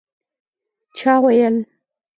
چا ویل